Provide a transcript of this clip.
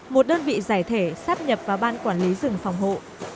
một đơn vị giải thể sáp nhập và ban quản lý rừng phòng hộ